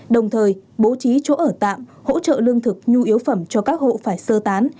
đồng thời bố trí chỗ ở tạm hỗ trợ lương thực nhu yếu phẩm cho các hộ phải sơ tán